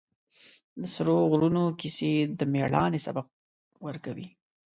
د سرو غرونو کیسې د مېړانې سبق ورکوي.